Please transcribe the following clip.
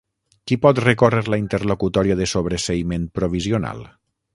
Qui pot recórrer la interlocutòria de sobreseïment provisional?